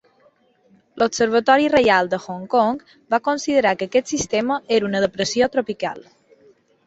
L'observatori reial de Hong Kong va considerar que aquest sistema era una depressió tropical.